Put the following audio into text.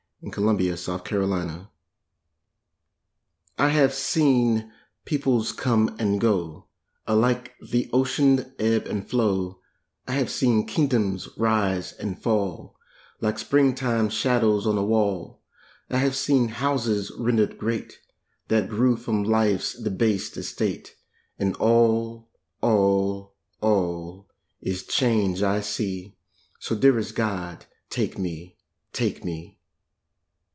Paul Laurence Dunbar Old I HAVE seen peoples come and go Alike the Ocean'd ebb and flow; I have seen kingdoms rise and fall Like springtime shadows on a wall. I have seen houses rendered great That grew from life's debased estate, And all, all, all is change I see, So, dearest God, take me, take me.